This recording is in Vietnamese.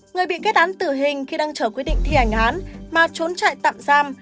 người bị kết án tử hình khi đang chở quyết định thi hành án mà trốn trại tạm giam